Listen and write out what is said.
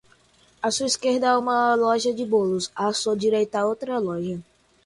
A sua esquerda há uma loja de bolos, a sua direita há outra loja